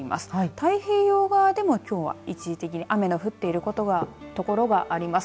太平洋側でも、きょうは一時的に雨の降っている所があります。